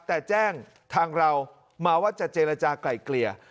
แต่แจ้งทางเรามาว่าจะเจรจากลายเกลี่ย